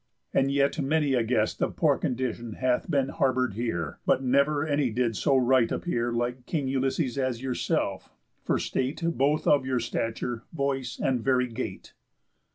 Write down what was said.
And yet many a guest Of poor condition hath been harbour'd here, But never any did so right appear Like king Ulysses as yourself, for state Both of your stature, voice, and very gait."